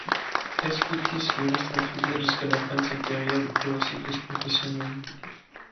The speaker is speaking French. Kasputis lui restera fidèle jusqu'à la fin de sa carrière de coureur cycliste professionnel.